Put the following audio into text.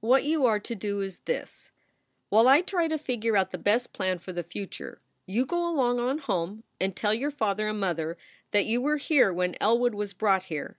"What you are to do is this: While I try to figure out the best plan for the future, you go along on home and tell your father and mother that you were here when Elwood was brought here.